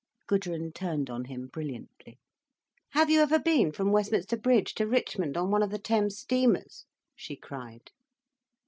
Gudrun turned on him brilliantly. "Have you ever been from Westminster Bridge to Richmond on one of the Thames steamers?" she cried.